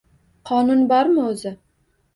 Qonun bormi o‘zi?